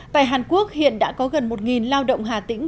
tại hàn quốc hiện đã có gần một lao động hà tĩnh